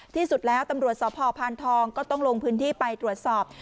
ที่สุดแล้วตำรวจสพพานทองก็ต้องลงพื้นที่ไปตรวจสอบ